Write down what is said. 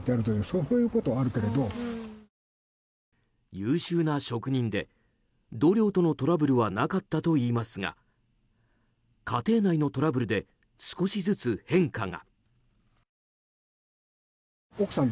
優秀な職人で同僚とのトラブルはなかったといいますが家庭内のトラブルで少しずつ変化が。